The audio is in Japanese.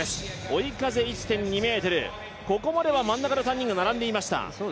追い風１．２ｍ、ここまでは真ん中の３人が並んでいました。